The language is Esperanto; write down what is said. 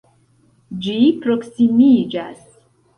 Ĝi proksimiĝas!